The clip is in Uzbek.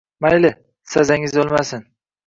Mayli, sazangiz o`lmasin